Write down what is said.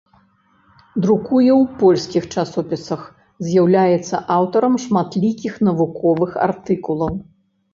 Друкуе ў польскіх часопісах, з'яўляецца аўтарам шматлікіх навуковых артыкулаў.